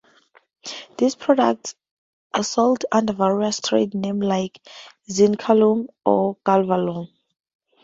These products are sold under various trade names like "Zincalume" or "Galvalume".